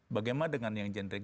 bagaimana dengan yang generik